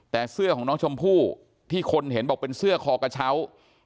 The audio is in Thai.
แต่เสื้อของน้องชมพู่ที่คนเห็นบอกเป็นเสื้อคอกระเช้า